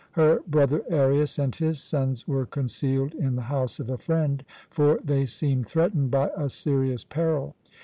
Her brother Arius and his sons were concealed in the house of a friend, for they seemed threatened by a serious peril.